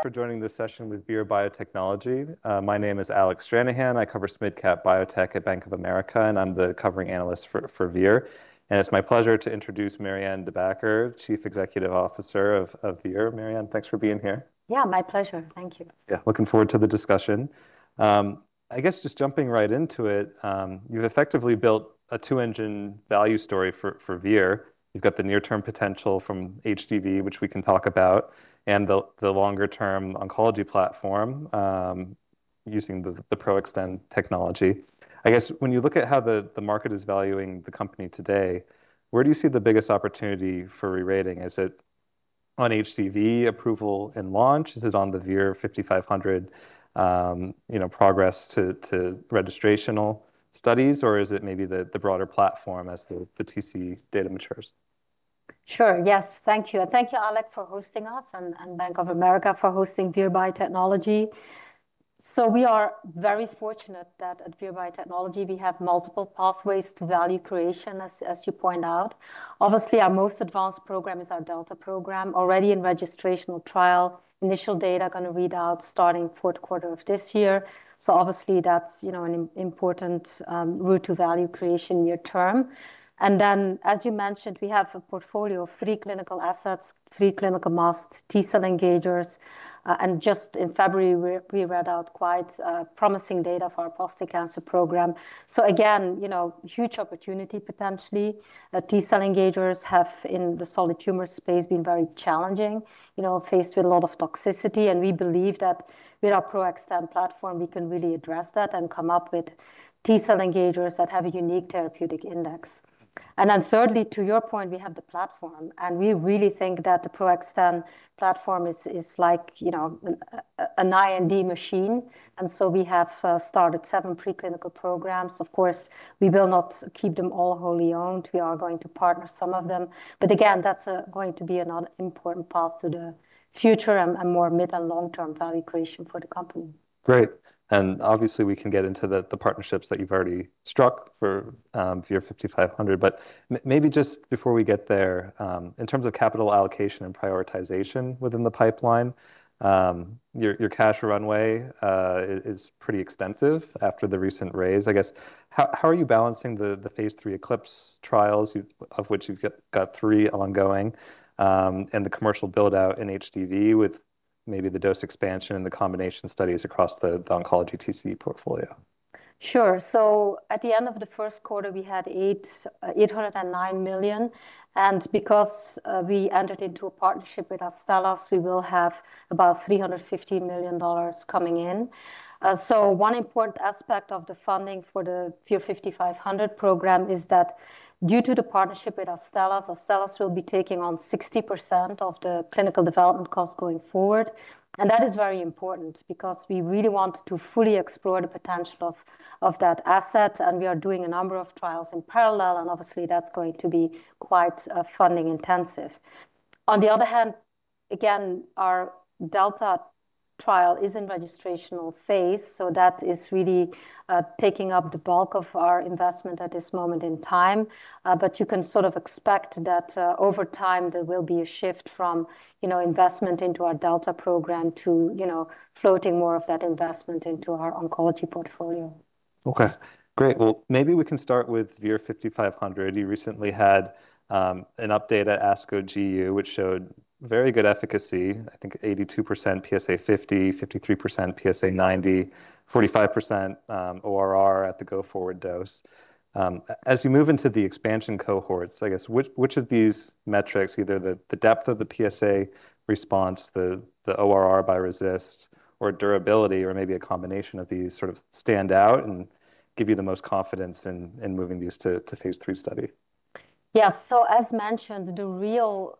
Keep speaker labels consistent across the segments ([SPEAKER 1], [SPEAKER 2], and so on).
[SPEAKER 1] For joining this session with Vir Biotechnology. My name is Alec Stranahan. I cover mid-cap biotech at Bank of America, and I'm the covering analyst for Vir. It's my pleasure to introduce Marianne De Backer, Chief Executive Officer of Vir. Marianne, thanks for being here.
[SPEAKER 2] Yeah, my pleasure. Thank you.
[SPEAKER 1] Yeah. Looking forward to the discussion. I guess just jumping right into it, you've effectively built a two-engine value story for Vir. You've got the near-term potential from HDV, which we can talk about, and the longer-term oncology platform, using the PRO-XTEN technology. I guess, when you look at how the market is valuing the company today, where do you see the biggest opportunity for re-rating? Is it on HDV approval and launch? Is it on the VIR-5500, you know, progress to registrational studies, or is it maybe the broader platform as the TC data matures?
[SPEAKER 2] Sure. Yes. Thank you. Thank you, Alec, for hosting us and Bank of America for hosting Vir Biotechnology. We are very fortunate that at Vir Biotechnology we have multiple pathways to value creation, as you point out. Obviously, our most advanced program is our Delta Program, already in registrational trial. Initial data gonna read out starting fourth quarter of this year. Obviously that's, you know, an important route to value creation near term. Then, as you mentioned, we have a portfolio of three clinical assets, three clinical masked T-cell engagers, and just in February we read out quite promising data for our Prostate Cancer Program. Again, you know, huge opportunity potentially. T-cell engagers have, in the solid tumor space, been very challenging, you know, faced with a lot of toxicity, and we believe that with our PRO-XTEN platform we can really address that and come up with T-cell engagers that have a unique therapeutic index. Thirdly, to your point, we have the platform, and we really think that the PRO-XTEN platform is like an IND machine, we have started seven preclinical programs. Of course, we will not keep them all wholly owned. We are going to partner some of them. Again, that's going to be another important path to the future and more mid and long-term value creation for the company.
[SPEAKER 1] Great. Obviously we can get into the partnerships that you've already struck for VIR-5500. Maybe just before we get there, in terms of capital allocation and prioritization within the pipeline, your cash runway is pretty extensive after the recent raise. I guess, how are you balancing the phase III ECLIPSE trials of which you've got three ongoing, and the commercial build-out in HDV with maybe the dose expansion and the combination studies across the oncology TC portfolio?
[SPEAKER 2] Sure. At the end of the first quarter, we had $809 million, and because we entered into a partnership with Astellas, we will have about $350 million coming in. One important aspect of the funding for the VIR-5500 program is that due to the partnership with Astellas, Astellas will be taking on 60% of the clinical development costs going forward. That is very important because we really want to fully explore the potential of that asset, and we are doing a number of trials in parallel, and obviously that's going to be quite funding intensive. On the other hand, again, our delta trial is in registrational phase, so that is really taking up the bulk of our investment at this moment in time. You can sort of expect that, over time there will be a shift from, you know, investment into our delta program to, you know, floating more of that investment into our oncology portfolio.
[SPEAKER 1] Okay. Great. Well, maybe we can start with VIR-5500. You recently had an update at ASCO GU, which showed very good efficacy, I think 82% PSA50, 53% PSA90, 45% ORR at the go-forward dose. As you move into the expansion cohorts, I guess which of these metrics, either the depth of the PSA response, the ORR by RECIST or durability, or maybe a combination of these sort of stand out and give you the most confidence in moving these to phase III study?
[SPEAKER 2] Yeah. As mentioned, the real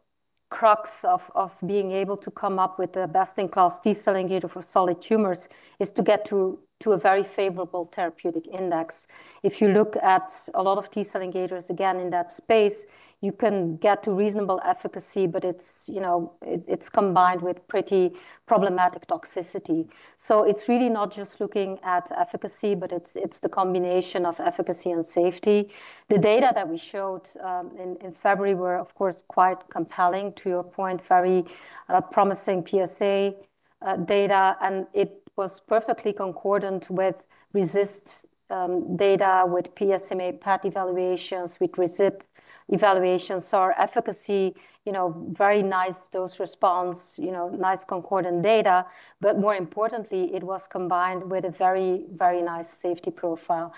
[SPEAKER 2] crux of being able to come up with the best-in-class T-cell engager for solid tumors is to get to a very favorable therapeutic index. If you look at a lot of T-cell engagers, again, in that space, you can get to reasonable efficacy, but you know, it's combined with pretty problematic toxicity. It's really not just looking at efficacy, but it's the combination of efficacy and safety. The data that we showed in February were, of course, quite compelling, to your point, very promising PSA data, and it was perfectly concordant with RECIST data, with PSMA PET evaluations, with RECIST evaluations. Our efficacy, you know, very nice dose response, you know, nice concordant data, but more importantly, it was combined with a very nice safety profile.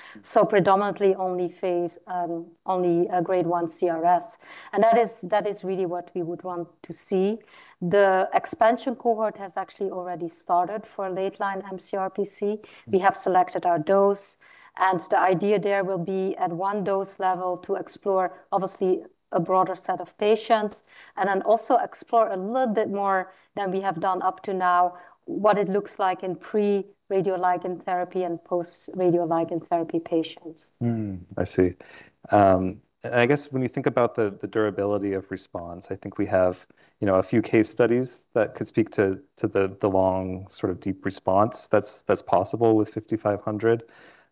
[SPEAKER 2] Predominantly only grade one CRS. That is really what we would want to see. The expansion cohort has actually already started for late-line mCRPC. We have selected our dose, and the idea there will be at one dose level to explore, obviously, a broader set of patients, and then also explore a little bit more than we have done up to now what it looks like in pre-radioligand therapy and post-radioligand therapy patients.
[SPEAKER 1] I see. I guess when you think about the durability of response, I think we have, you know, a few case studies that could speak to the long sort of deep response that's possible with VIR-5500.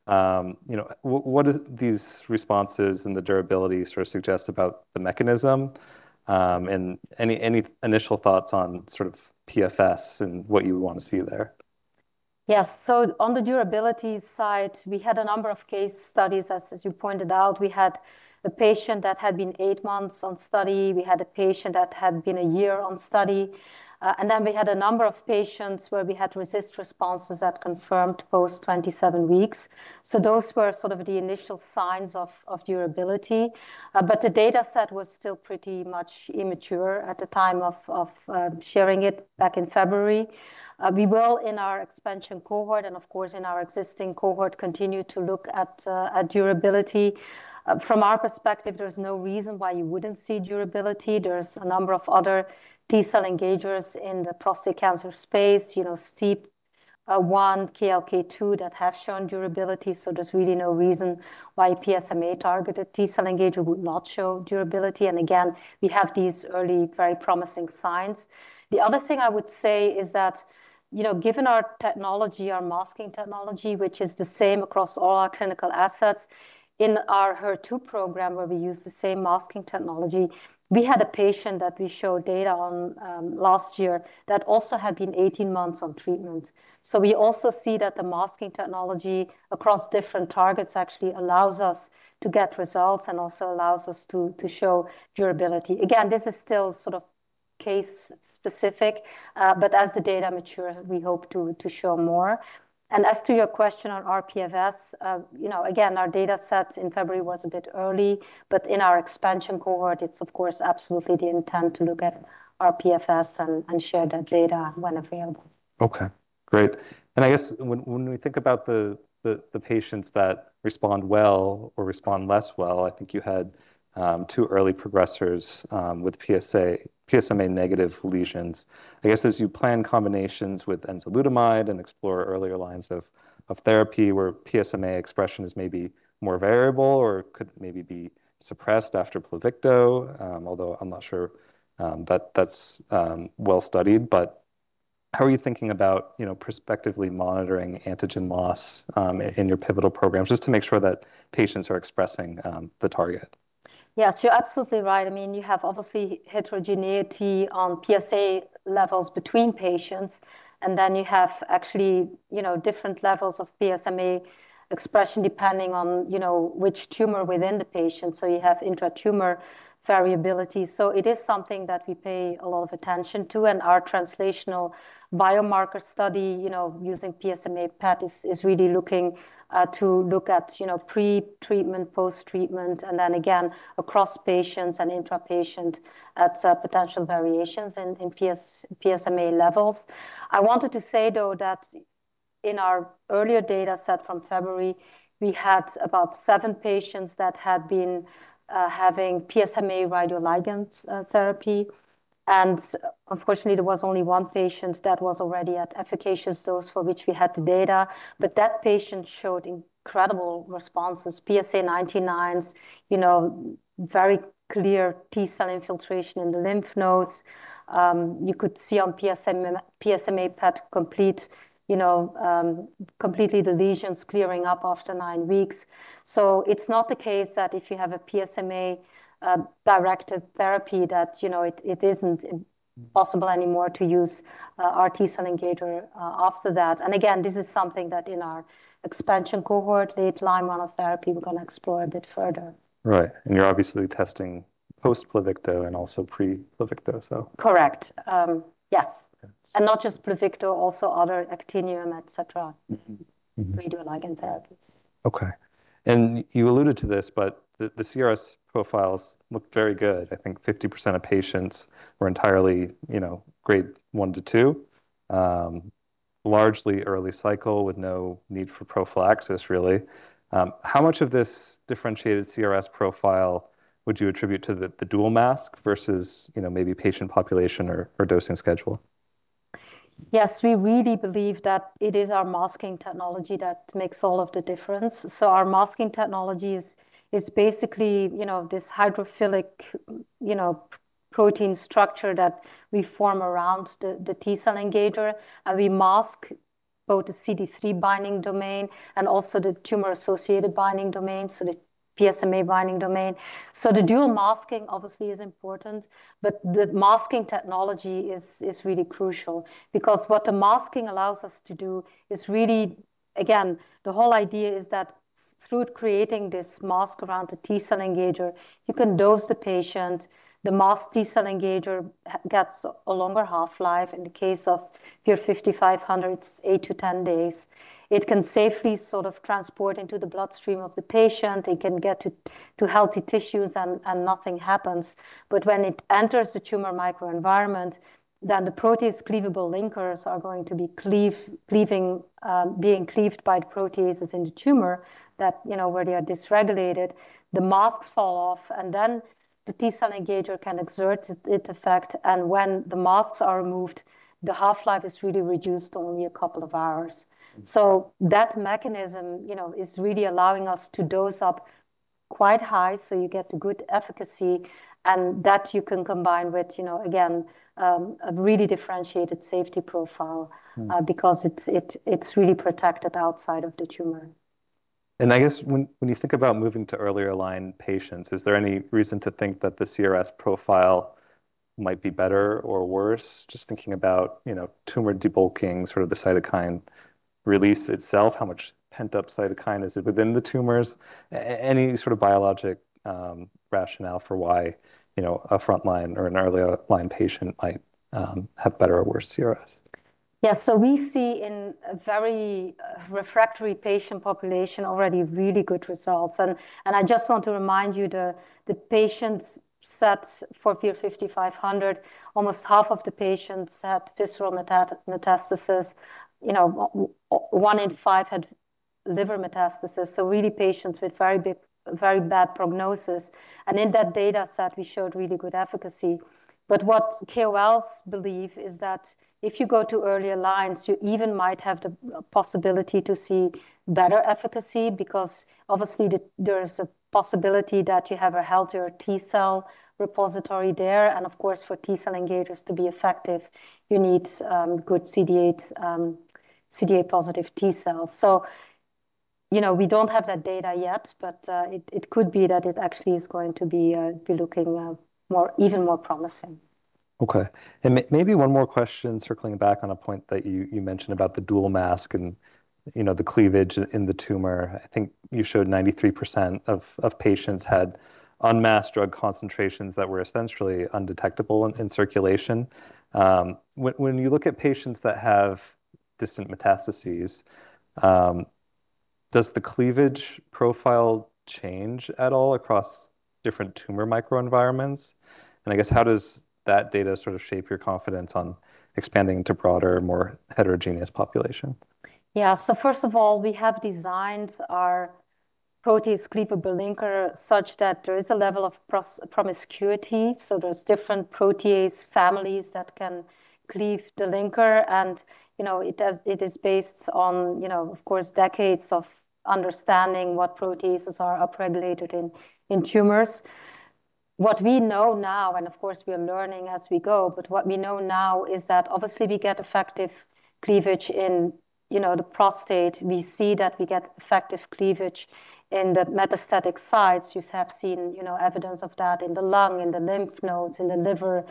[SPEAKER 1] You know, what do these responses and the durability sort of suggest about the mechanism? Any initial thoughts on sort of PFS and what you would want to see there?
[SPEAKER 2] Yes. On the durability side, we had a number of case studies. As you pointed out, we had a patient that had been eight months on study, we had a patient that had been a year on study, we had a number of patients where we had RECIST responses that confirmed post 27 weeks. Those were sort of the initial signs of durability. The dataset was still pretty much immature at the time of sharing it back in February. We will, in our expansion cohort and, of course, in our existing cohort, continue to look at durability. From our perspective, there's no reason why you wouldn't see durability. There's a number of other T-cell engagers in the prostate cancer space, you know, STEAP1, KLK2, that have shown durability, there's really no reason why a PSMA-targeted T-cell engager would not show durability. Again, we have these early, very promising signs. The other thing I would say is that, you know, given our technology, our masking technology, which is the same across all our clinical assets, in our HER2 program, where we use the same masking technology, we had a patient that we showed data on last year that also had been 18 months on treatment. We also see that the masking technology across different targets actually allows us to get results and also allows us to show durability. Again, this is still sort of case-specific, but as the data matures, we hope to show more. As to your question on rPFS, you know, again, our datasets in February was a bit early, but in our expansion cohort, it's of course absolutely the intent to look at rPFS and share that data when available.
[SPEAKER 1] Okay. Great. I guess when we think about the patients that respond well or respond less well, I think you had two early progressors with PSA, PSMA-negative lesions. I guess as you plan combinations with enzalutamide and explore earlier lines of therapy where PSMA expression is maybe more variable or could maybe be suppressed after PLUVICTO, although I'm not sure that that's well-studied. How are you thinking about, you know, prospectively monitoring antigen loss in your pivotal programs, just to make sure that patients are expressing the target?
[SPEAKER 2] Yes, you're absolutely right. I mean, you have obviously heterogeneity on PSA levels between patients. Then you have actually, you know, different levels of PSMA expression depending on, you know, which tumor within the patient. You have intratumor variability. It is something that we pay a lot of attention to. Our translational biomarker study, you know, using PSMA PET is really looking to look at, you know, pre-treatment, post-treatment. Then again across patients and intra-patient at potential variations in PSMA levels. I wanted to say, though, that in our earlier dataset from February, we had about seven patients that had been having PSMA radioligand therapy. Unfortunately, there was only one patient that was already at efficacious dose for which we had the data. That patient showed incredible responses, PSA 99s, you know, very clear T-cell infiltration in the lymph nodes. You could see on PSMA PET complete, you know, completely the lesions clearing up after nine weeks. It's not the case that if you have a PSMA directed therapy that, you know, it isn't possible anymore to use our T-cell engager after that. Again, this is something that in our expansion cohort, the late-line monotherapy, we're gonna explore a bit further.
[SPEAKER 1] Right. You're obviously testing post-PLUVICTO and also pre-PLUVICTO.
[SPEAKER 2] Correct. Yes.
[SPEAKER 1] Yes.
[SPEAKER 2] Not just PLUVICTO, also other actinium, et cetera.
[SPEAKER 1] Mm-hmm. Mm-hmm.
[SPEAKER 2] Radioligand therapies.
[SPEAKER 1] Okay. You alluded to this, but the CRS profiles looked very good. 50% of patients were entirely, you know, grade 1-2, largely early cycle with no need for prophylaxis really. How much of this differentiated CRS profile would you attribute to the dual mask versus, you know, maybe patient population or dosing schedule?
[SPEAKER 2] Yes. We really believe that it is our masking technology that makes all of the difference. Our masking technology is basically, you know, this hydrophilic, you know, protein structure that we form around the T-cell engager, and we mask both the CD3 binding domain and also the tumor-associated binding domain, so the PSMA binding domain. The dual masking obviously is important, but the masking technology is really crucial because what the masking allows us to do is really, again, the whole idea is that through creating this mask around the T-cell engager, you can dose the patient. The masked T-cell engager gets a longer half-life. In the case of VIR-5500, it's eight to 10 days. It can safely sort of transport into the bloodstream of the patient. It can get to healthy tissues and nothing happens. When it enters the tumor microenvironment, the protease cleavable linkers are going to be cleaving, being cleaved by the proteases in the tumor that, you know, where they are dysregulated. The masks fall off, the T-cell engager can exert its effect. When the masks are removed, the half-life is really reduced to only a couple of hours. That mechanism, you know, is really allowing us to dose up quite high, so you get good efficacy, and that you can combine with, you know, again, a really differentiated safety profile. Because it's really protected outside of the tumor.
[SPEAKER 1] I guess when you think about moving to earlier line patients, is there any reason to think that the CRS profile might be better or worse? Just thinking about, you know, tumor debulking, sort of the cytokine release itself, how much pent-up cytokine is it within the tumors? Any sort of biologic rationale for why, you know, a frontline or an earlier line patient might have better or worse CRS?
[SPEAKER 2] Yeah. We see in a very refractory patient population already really good results. I just want to remind you the patients set for VIR-5500, almost half of the patients had visceral metastasis. You know, one in five had liver metastasis, so really patients with very big very bad prognosis. In that data set, we showed really good efficacy. What KOLs believe is that if you go to earlier lines, you even might have the possibility to see better efficacy because obviously there is a possibility that you have a healthier T-cell repository there. Of course, for T-cell engagers to be effective, you need good CD8+ T-cells. You know, we don't have that data yet, but it could be that it actually is going to be looking, more, even more promising.
[SPEAKER 1] Okay. Maybe one more question circling back on a point that you mentioned about the dual mask and, you know, the cleavage in the tumor. I think you showed 93% of patients had unmasked drug concentrations that were essentially undetectable in circulation. When you look at patients that have distant metastases, does the cleavage profile change at all across different tumor microenvironments? I guess, how does that data sort of shape your confidence on expanding to broader, more heterogeneous population?
[SPEAKER 2] Yeah. First of all, we have designed our protease cleavable linker such that there is a level of promiscuity, there's different protease families that can cleave the linker and, you know, it is based on, you know, of course, decades of understanding what proteases are upregulated in tumors. What we know now, and of course, we are learning as we go, but what we know now is that obviously we get effective cleavage in, you know, the prostate. We see that we get effective cleavage in the metastatic sites. You have seen, you know, evidence of that in the lung, in the lymph nodes, in the liver.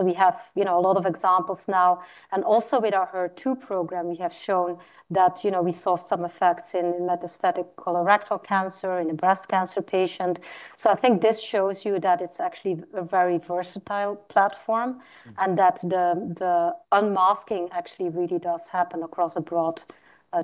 [SPEAKER 2] We have, you know, a lot of examples now. Also with our HER2 program, we have shown that, you know, we saw some effects in metastatic colorectal cancer, in a breast cancer patient. I think this shows you that it's actually a very versatile platform. That the unmasking actually really does happen across a broad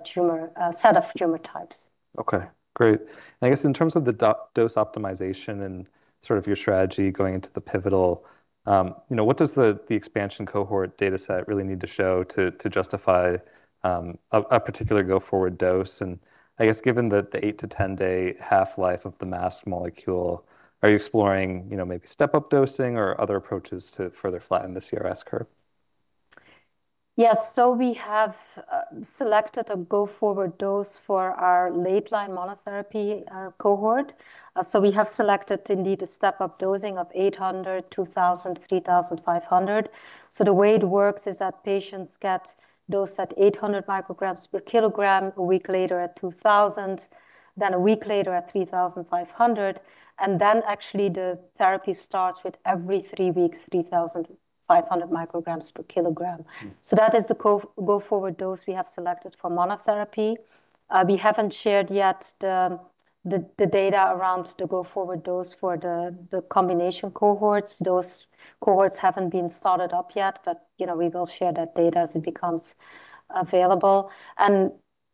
[SPEAKER 2] tumor set of tumor types.
[SPEAKER 1] Okay, great. I guess in terms of the dose optimization and sort of your strategy going into the pivotal, you know, what does the expansion cohort data set really need to show to justify a particular go-forward dose? I guess given that the eight-10 day half-life of the masked molecule, are you exploring, you know, maybe step-up dosing or other approaches to further flatten the CRS curve?
[SPEAKER 2] Yes. We have selected a go-forward dose for our late line monotherapy cohort. We have selected indeed a step-up dosing of 800, 2,000, 3,500. The way it works is that patients get dosed at 800 mcg per kg, a week later at 2,000, then a week later at 3,500, and then actually the therapy starts with every three weeks, 3,500 mcg per kg. That is the go-forward dose we have selected for monotherapy. We haven't shared yet the data around the go-forward dose for the combination cohorts. Those cohorts haven't been started up yet, but, you know, we will share that data as it becomes available.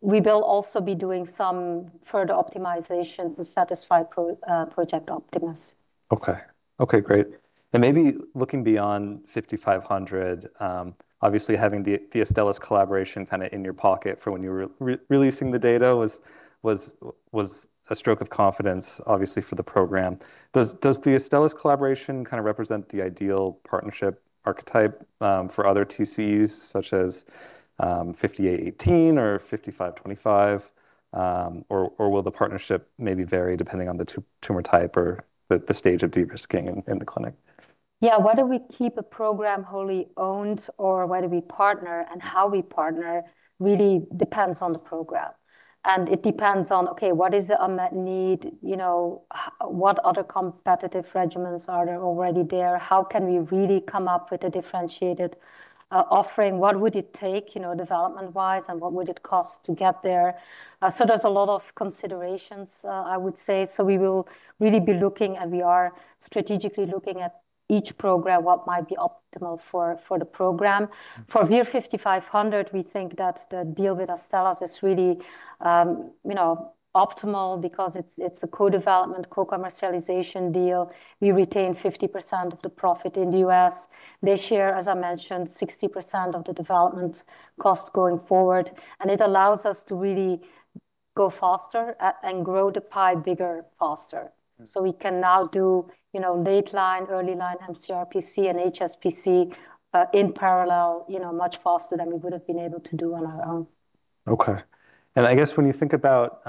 [SPEAKER 2] We will also be doing some further optimization to satisfy Project Optimus.
[SPEAKER 1] Okay. Okay, great. Maybe looking beyond VIR-5500, obviously having the Astellas collaboration kind of in your pocket for when you were re-releasing the data was a stroke of confidence, obviously, for the program. Does the Astellas collaboration kind of represent the ideal partnership archetype, for other TCs such as 5818 or 5525? Or will the partnership maybe vary depending on the tumor type or the stage of de-risking in the clinic?
[SPEAKER 2] Yeah. Whether we keep a program wholly owned or whether we partner and how we partner really depends on the program. It depends on, okay, what is the unmet need? You know, what other competitive regimens are there already there? How can we really come up with a differentiated offering? What would it take, you know, development-wise, and what would it cost to get there? There's a lot of considerations, I would say. We will really be looking, and we are strategically looking at each program, what might be optimal for the program. For VIR-5500, we think that the deal with Astellas is really, you know, optimal because it's a co-development, co-commercialization deal. We retain 50% of the profit in the U.S. They share, as I mentioned, 60% of the development cost going forward, and it allows us to really go faster, and grow the pie bigger, faster. We can now do, you know, late line, early line mCRPC and HSPC in parallel, you know, much faster than we would have been able to do on our own.
[SPEAKER 1] Okay. I guess when you think about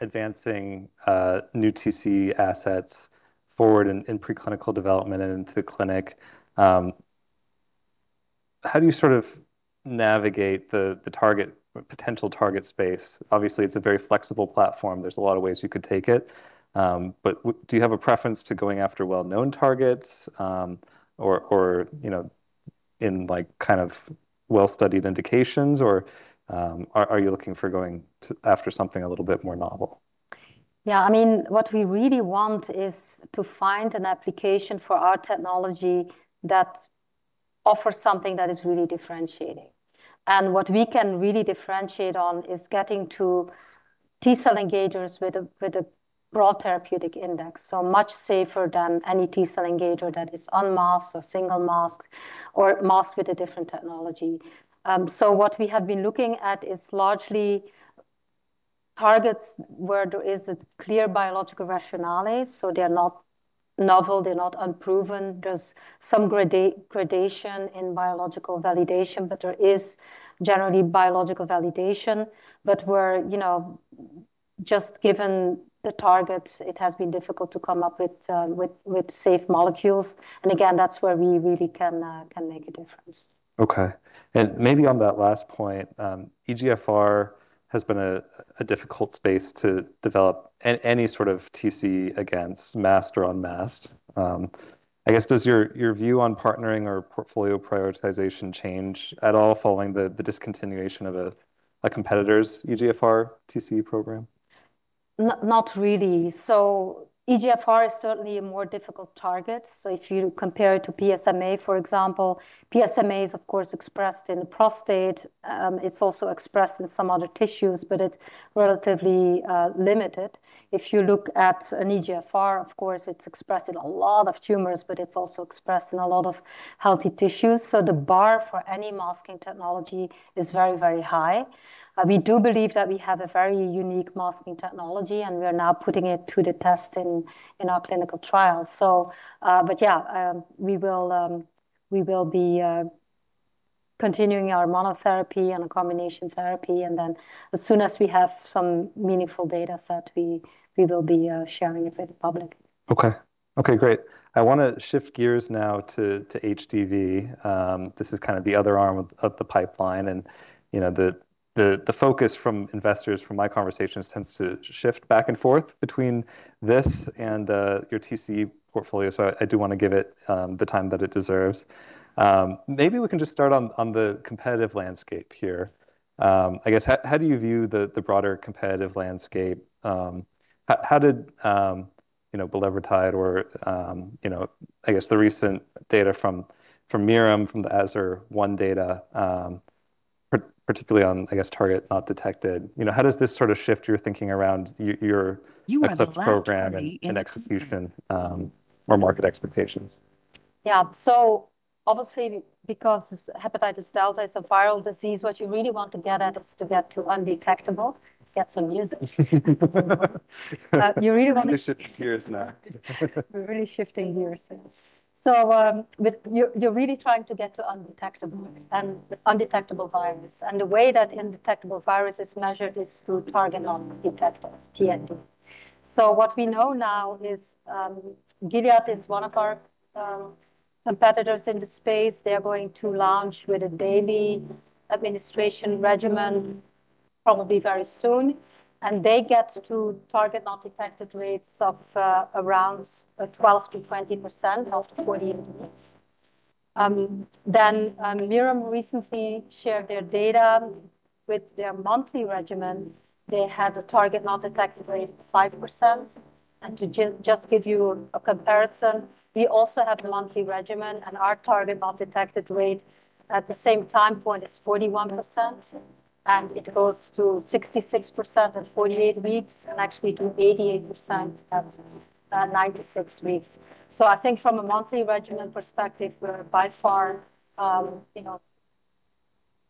[SPEAKER 1] advancing new TC assets forward in preclinical development and into the clinic, how do you sort of navigate the potential target space? Obviously, it's a very flexible platform. There's a lot of ways you could take it. Do you have a preference to going after well-known targets or well-studied indications, or are you looking for something a little bit more novel?
[SPEAKER 2] I mean, what we really want is to find an application for our technology that offers something that is really differentiating. What we can really differentiate on is getting to T-cell engagers with a broad therapeutic index, so much safer than any T-cell engager that is unmasked or single masked or masked with a different technology. What we have been looking at is largely targets where there is a clear biological rationale, so they're not novel, they're not unproven. There's some gradation in biological validation, but there is generally biological validation. Where, you know, just given the targets, it has been difficult to come up with safe molecules. Again, that's where we really can make a difference.
[SPEAKER 1] Okay. Maybe on that last point, EGFR has been a difficult space to develop any sort of TC against, masked or unmasked. I guess, does your view on partnering or portfolio prioritization change at all following the discontinuation of a competitor's EGFR TC program?
[SPEAKER 2] Not really. EGFR is certainly a more difficult target. If you compare it to PSMA, for example, PSMA is of course expressed in the prostate. It's also expressed in some other tissues, but it's relatively limited. If you look at an EGFR, of course, it's expressed in a lot of tumors, but it's also expressed in a lot of healthy tissues. The bar for any masking technology is very, very high. We do believe that we have a very unique masking technology, and we are now putting it to the test in our clinical trials. But yeah, we will be continuing our monotherapy and combination therapy, and then as soon as we have some meaningful data set, we will be sharing it with the public.
[SPEAKER 1] Okay. Okay, great. I wanna shift gears now to HDV. This is kind of the other arm of the pipeline, and, you know, the focus from investors from my conversations tends to shift back and forth between this and your TC portfolio, so I do wanna give it the time that it deserves. Maybe we can just start on the competitive landscape here. I guess, how do you view the broader competitive landscape? How did, you know, bulevirtide or, you know, I guess the recent data from Mirum, from the AZURE-1 data, particularly on, I guess, target not detected. You know, how does this sort of shift your thinking around your approach to program and execution, or market expectations?
[SPEAKER 2] Yeah. Obviously, because Hepatitis Delta is a viral disease, what you really want to get at is to get to undetectable. Get some music.
[SPEAKER 1] We're shifting gears now.
[SPEAKER 2] We're really shifting gears, yeah. You're really trying to get to undetectable and undetectable virus, and the way that undetectable virus is measured is through target not detected, TND. What we know now is Gilead is one of our competitors in the space. They're going to launch with a daily administration regimen probably very soon, and they get to target not detected rates of around 12%-20% after 48 weeks. Mirum recently shared their data with their monthly regimen. They had a target not detected rate of 5%. Just give you a comparison, we also have a monthly regimen, and our target not detected rate at the same time point is 41%, and it goes to 66% at 48 weeks and actually to 88% at 96 weeks. I think from a monthly regimen perspective, we're by far, you know,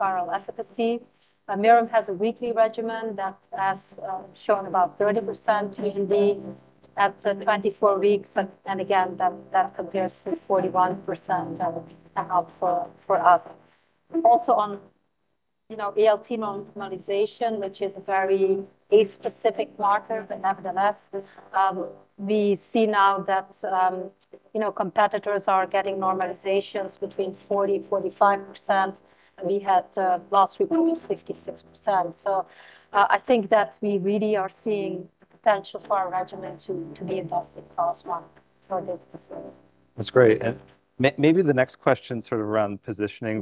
[SPEAKER 2] viral efficacy. Mirum has a weekly regimen that has shown about 30% TND at 24 weeks, and again, that compares to 41% for us. Also on, you know, ALT normalization, which is a very a specific marker, but nevertheless, we see now that, you know, competitors are getting normalizations between 40%-45%. We had last week probably 56%. I think that we really are seeing the potential for our regimen to be first-in-class for this disease.
[SPEAKER 1] That's great. Maybe the next question sort of around positioning.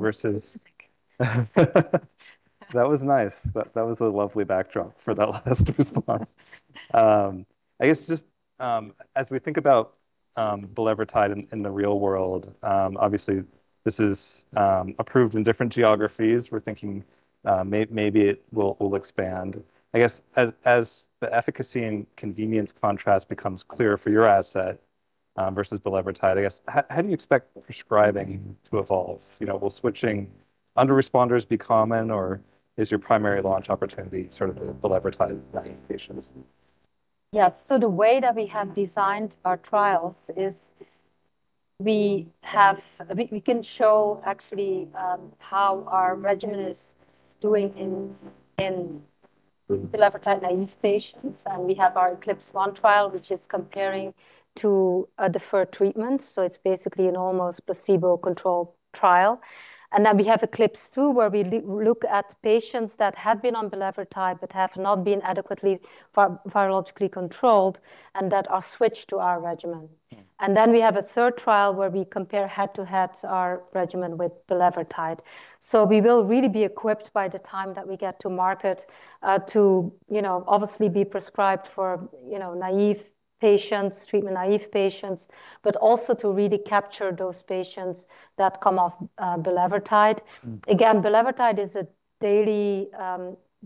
[SPEAKER 1] That was nice. That was a lovely backdrop for that last response. I guess just as we think about bulevirtide in the real world, obviously this is approved in different geographies. We're thinking maybe it will expand. I guess as the efficacy and convenience contrast becomes clearer for your asset, versus bulevirtide, I guess how do you expect prescribing to evolve? You know, will switching under responders be common, or is your primary launch opportunity sort of the bulevirtide value patients?
[SPEAKER 2] Yes. The way that we have designed our trials is we can show actually how our regimen is doing in bulevirtide naive patients. We have our ECLIPSE 1 trial, which is comparing to a deferred treatment. It's basically an almost placebo-controlled trial. We have ECLIPSE 2, where we look at patients that have been on bulevirtide but have not been adequately virologically controlled and that are switched to our regimen. We have a third trial where we compare head-to-head our regimen with bulevirtide. We will really be equipped by the time that we get to market, to, you know, obviously be prescribed for, you know, naive patients, treatment-naive patients, but also to really capture those patients that come off, bulevirtide. Again bulevirtide is a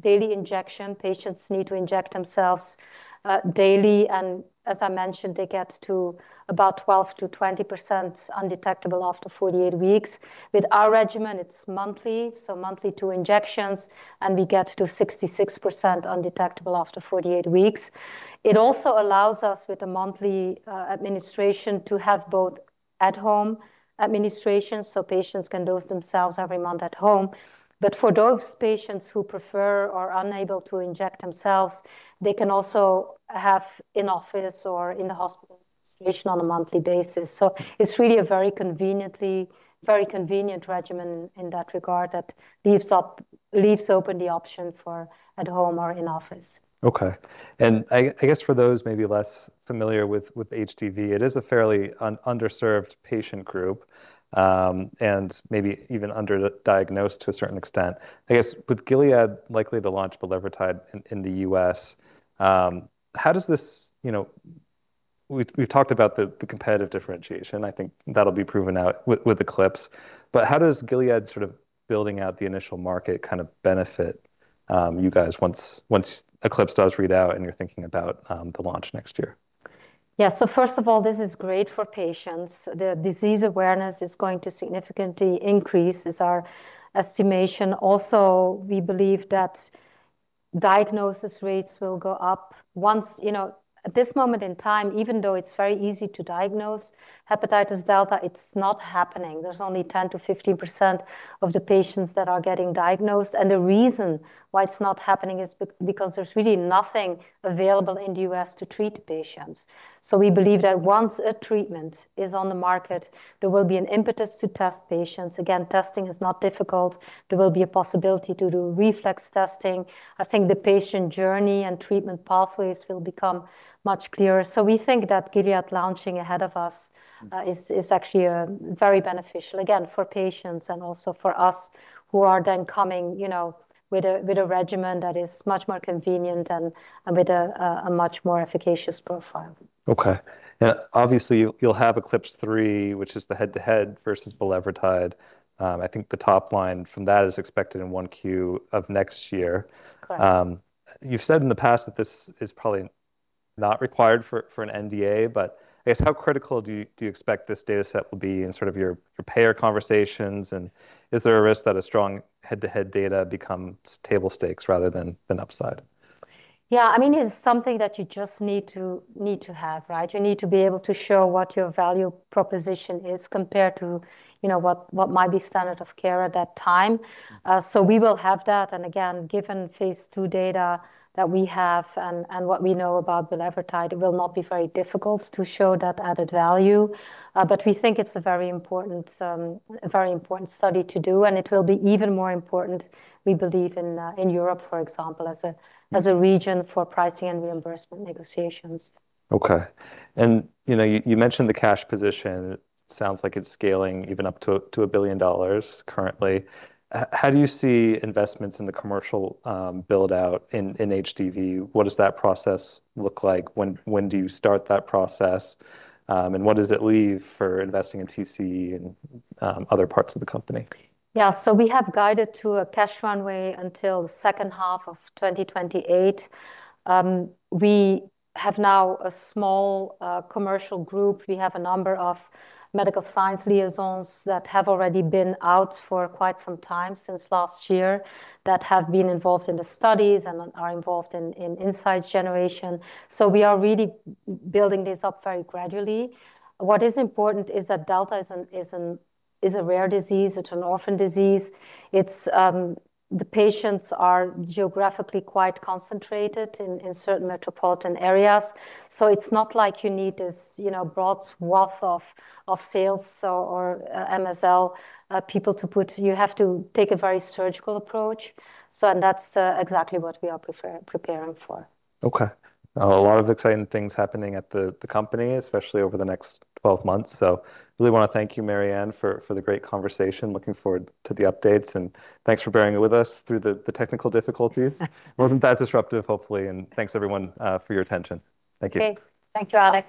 [SPEAKER 2] daily injection. Patients need to inject themselves daily, and as I mentioned, they get to about 12-20% undetectable after 48 weeks. With our regimen, it's monthly two injections, and we get to 66% undetectable after 48 weeks. It also allows us with a monthly administration to have both at home administration patients can dose themselves every month at home. For those patients who prefer or are unable to inject themselves, they can also have in-office or in the hospital administration on a monthly basis. It's really a very conveniently, very convenient regimen in that regard that leaves open the option for at home or in-office.
[SPEAKER 1] Okay, I guess for those maybe less familiar with HDV, it is a fairly underserved patient group and maybe even underdiagnosed to a certain extent. I guess with Gilead likely to launch bulevirtide in the U.S., how does this, you know, we've talked about the competitive differentiation. I think that'll be proven out with ECLIPSE. How does Gilead sort of building out the initial market kind of benefit you guys once ECLIPSE does read out and you're thinking about the launch next year?
[SPEAKER 2] Yeah. First of all, this is great for patients. The disease awareness is going to significantly increase is our estimation. We believe that diagnosis rates will go up once you know, at this moment in time, even though it's very easy to diagnose Hepatitis Delta, it's not happening. There's only 10%-15% of the patients that are getting diagnosed, the reason why it's not happening is because there's really nothing available in the U.S. to treat patients. We believe that once a treatment is on the market, there will be an impetus to test patients. Again, testing is not difficult. There will be a possibility to do reflex testing. I think the patient journey and treatment pathways will become much clearer. We think that Gilead launching ahead of us is actually very beneficial, again, for patients and also for us who are then coming, you know, with a regimen that is much more convenient and with a much more efficacious profile.
[SPEAKER 1] Okay. obviously you'll have ECLIPSE 3, which is the head-to-head versus bulevirtide. I think the top line from that is expected in 1 Q of next year.
[SPEAKER 2] Correct.
[SPEAKER 1] You've said in the past that this is probably not required for an NDA, I guess how critical do you expect this data set will be in your payer conversations, and is there a risk that a strong head-to-head data becomes table stakes rather than upside?
[SPEAKER 2] Yeah, I mean, it's something that you just need to have, right? You need to be able to show what your value proposition is compared to, you know, what might be standard of care at that time. We will have that, and again, given phase II data that we have and what we know about bulevirtide, it will not be very difficult to show that added value. We think it's a very important study to do, and it will be even more important we believe in Europe, for example, as a region for pricing and reimbursement negotiations.
[SPEAKER 1] Okay. you know, you mentioned the cash position. It sounds like it's scaling even up to $1 billion currently. How do you see investments in the commercial build-out in HDV? What does that process look like? When do you start that process? What does it leave for investing in TC and other parts of the company?
[SPEAKER 2] Yeah. We have guided to a cash runway until the second half of 2028. We have now a small commercial group. We have a number of medical science liaisons that have already been out for quite some time since last year that have been involved in the studies and are involved in insights generation. We are really building this up very gradually. What is important is that delta is a rare disease. It's an orphan disease. It's the patients are geographically quite concentrated in certain metropolitan areas. It's not like you need this, you know, broad swath of sales or MSL people to put. You have to take a very surgical approach, and that's exactly what we are preparing for.
[SPEAKER 1] Okay. A lot of exciting things happening at the company, especially over the next 12 months. Really wanna thank you, Marianne, for the great conversation. Looking forward to the updates, thanks for bearing it with us through the technical difficulties.
[SPEAKER 2] Yes.
[SPEAKER 1] It wasn't that disruptive, hopefully. Thanks everyone, for your attention. Thank you.
[SPEAKER 2] Okay. Thank you, Alec.